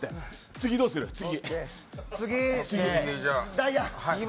次どうする、次。